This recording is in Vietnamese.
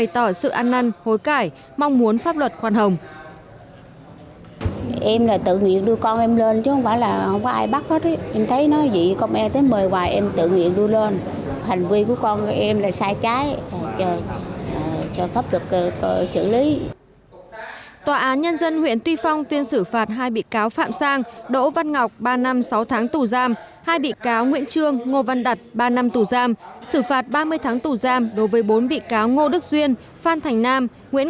tòa án nhân dân huyện tuy phong tiên xử phạt hai bị cáo phạm sang đỗ văn ngọc ba năm sáu tháng tù giam hai bị cáo nguyễn trương ngô văn đặt ba năm tù giam xử phạt ba mươi tháng tù giam đối với bốn bị cáo ngô đức duyên nguyễn minh kha cùng chú tại thị trấn phan rí cửa